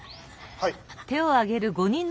はい。